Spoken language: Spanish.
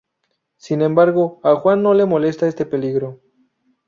Sin embargo, a Juan no le molesta este peligro.